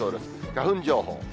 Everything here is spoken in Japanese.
花粉情報。